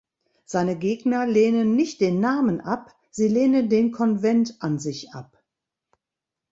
Seine Gegner lehnen nicht den Namen ab, sie lehnen den Konvent an sich ab.